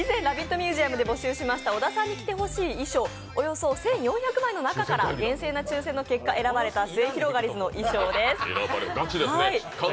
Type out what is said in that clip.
ミュージアムで募集しました、小田さんに来てほしい衣装、およそ１４００枚の中から厳正な抽選の結果、選ばれたすゑひろがりずの衣装です。